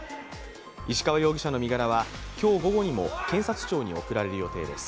石川容疑者の身柄は今日午後にも検察庁に送られる予定です。